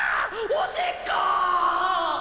おしっこ！